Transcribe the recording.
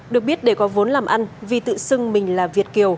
được biết để có vốn làm ăn vi tự xưng mình là việt kiều